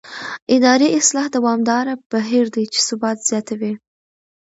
اداري اصلاح دوامداره بهیر دی چې ثبات زیاتوي